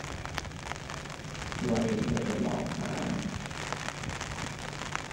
喂你哋望下！